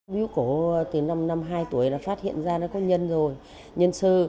biểu cổ từ năm hai tuổi là phát hiện ra nó có nhân rồi nhân sơ